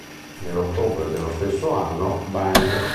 Nell'ottobre dello stesso anno "Bang!